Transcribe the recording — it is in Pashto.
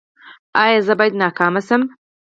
ایا زه باید ناکام شم؟